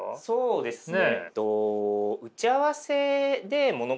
そうっすね！